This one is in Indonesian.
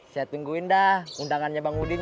saya tungguin dah undangannya bang udin ya